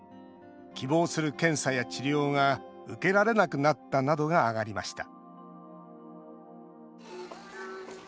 「希望する検査や治療が受けられなくなった」などが挙がりました